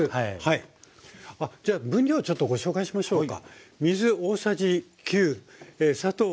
あっじゃあ分量ちょっとご紹介しましょうか。